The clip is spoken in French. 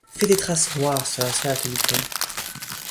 Fait des traces noires sur l’asphalte du pont.